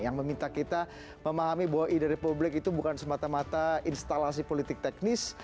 yang meminta kita memahami bahwa ide republik itu bukan semata mata instalasi politik teknis